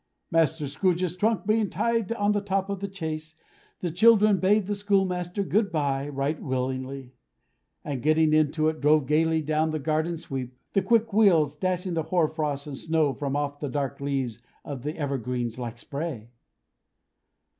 Master Scrooge's trunk being tied on to the top of the chaise, the children bade the schoolmaster good bye right willingly; and getting into it, drove gaily down the garden sweep: the quick wheels dashing the hoar frost and snow from off the dark leaves of the evergreens like spray.